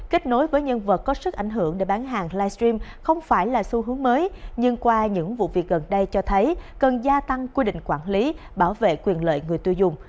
kết nối với nhân vật có sức ảnh hưởng để bán hàng livestream không phải là xu hướng mới nhưng qua những vụ việc gần đây cho thấy cần gia tăng quy định quản lý bảo vệ quyền lợi người tiêu dùng